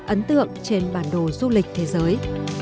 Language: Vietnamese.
ấn tượng trên bản đồ du lịch thế giới